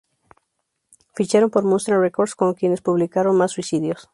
Ficharon por Munster Records con quienes publicaron "Más suicidios!!!